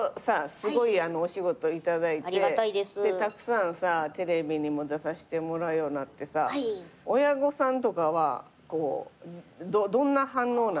すごいお仕事頂いてたくさんテレビにも出させてもらうようになってさ親御さんとかはどんな反応なん？